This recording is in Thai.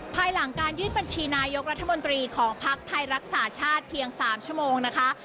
ภายหลังการยืดบัญชีนายกรัฐมนตรีของภักดิ์ไทยรักษาชาติเพียง๓ชั่วโมงนะคะ